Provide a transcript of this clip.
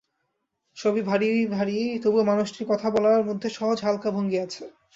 সবই ভারী-ভারী, তবুও মানুষটির কথা বলার মধ্যে সহজ হালকা ভঙ্গি আছে।